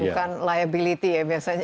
bukan liability ya biasanya